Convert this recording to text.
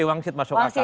wangsit masuk asal